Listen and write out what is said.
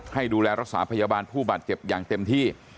ให้ดูแลรักษาพยาบาลผู้บาดเจ็บอย่างเต็มที่